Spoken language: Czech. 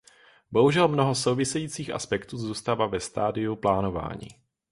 Bohužel mnoho souvisejících aspektů zůstává ve stadiu plánování.